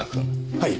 はい。